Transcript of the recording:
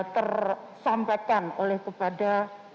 tersampaikan oleh kepada